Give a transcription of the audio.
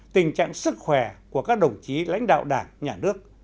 tình trạng sức khỏe của các đồng chí lãnh đạo đảng nhà nước